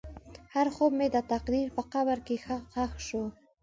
هر خوب مې د تقدیر په قبر کې ښخ شو.